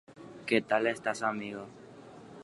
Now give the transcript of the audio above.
Mba'etekópio Ramiro chamigo.